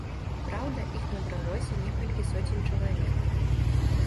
Праўда, іх набралося некалькі соцень чалавек.